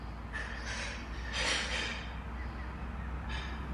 Chci jasně prohlásit, že jsem ve skutečnosti o křesťanství mluvila.